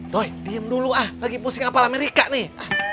doi diem dulu ah lagi pusing apel amerika nih